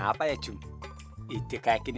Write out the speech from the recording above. kenapa ya jung ide kaya gini